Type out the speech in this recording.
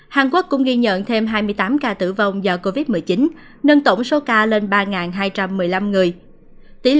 hàn quốc cũng ghi nhận thêm hai mươi tám ca tử vong do covid một mươi chín nâng tổng số ca lên ba hai trăm một mươi năm người